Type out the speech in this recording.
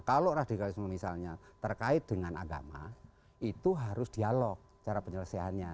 kalau radikalisme misalnya terkait dengan agama itu harus dialog cara penyelesaiannya